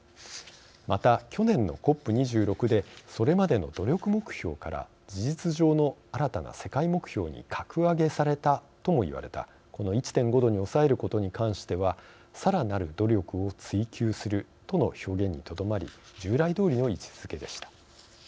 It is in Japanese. また、去年のＣＯＰ２６でそれまでの努力目標から事実上の新たな世界目標に格上げされたとも言われたこの１．５℃に抑えることに関してはさらなる努力を追求するとの表現にとどまり従来どおりの位置づけでした。